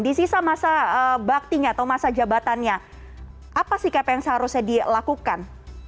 di sisa masa baktinya atau masa jabatannya apa sikap yang seharusnya dilakukan